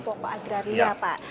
pokok adrarinya pak